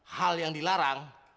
hal yang dilarang